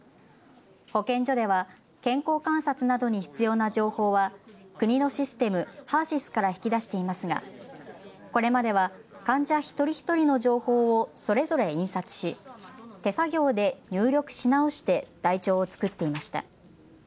保健所では健康観察などに必要な情報は国のシステム、ＨＥＲーＳＹＳから引き出していますが、これまでは患者一人一人の情報をそれぞれ印刷し手作業で入力し直して台帳を作っていました。